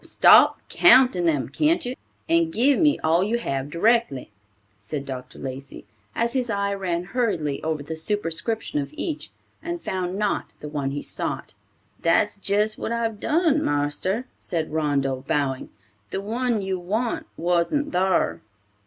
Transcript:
"Stop counting them, can't you, and give me all you have directly," said Dr. Lacey, as his eye ran hurriedly over the superscription of each, and found not the one he sought. "That's jist what I've done, marster," said Rondeau, bowing. "The one you want wasn't thar."